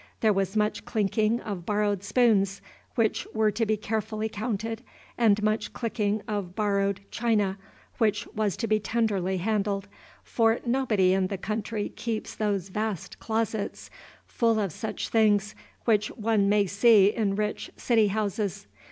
There was much clinking of borrowed spoons, which were to be carefully counted, and much clicking of borrowed china, which was to be tenderly handled, for nobody in the country keeps those vast closets full of such things which one may see in rich city houses.